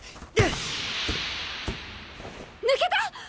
抜けた！